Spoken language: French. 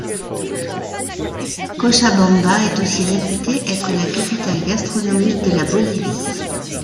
Cochabamba est aussi réputée être la capitale gastronomique de la Bolivie.